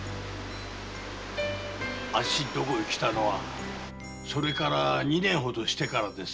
あっしの所へ来たのはそれから二年ほどしてからです。